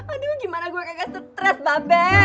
aduh gimana gua kagak stress bebek